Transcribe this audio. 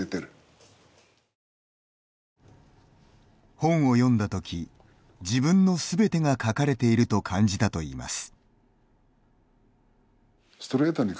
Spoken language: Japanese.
本を読んだ時自分の全てが書かれていると感じたといいます。